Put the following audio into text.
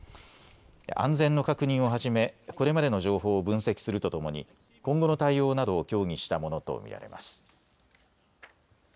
安全の確認をはじめこれまでの情報を分析するとともに今後の対応などを協議したものと見られます。